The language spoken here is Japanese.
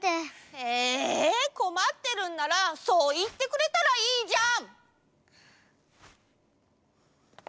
えこまってるんならそういってくれたらいいじゃん！